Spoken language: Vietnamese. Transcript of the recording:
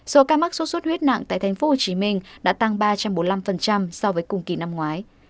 số ca mắc sốt xuất huyết nặng tại tp hcm đã tăng ba trăm bốn mươi năm so với cùng kỳ năm ngoái